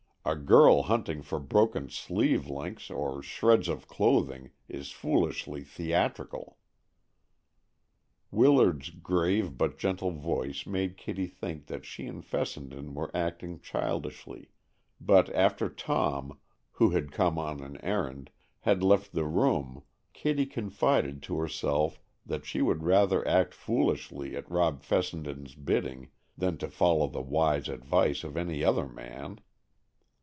A girl hunting for broken sleeve links or shreds of clothing is foolishly theatrical." Willard's grave but gentle voice made Kitty think that she and Fessenden were acting childishly, but after Tom, who had come on an errand, had left the room, Kitty confided to herself that she would rather act foolishly at Rob Fessenden's bidding than to follow the wise advice of any other man.